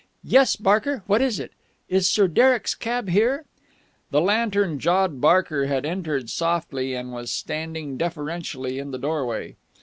Yes, Barker, what is it? Is Sir Derek's cab here?" The lantern jawed Barker had entered softly, and was standing deferentially in the doorway.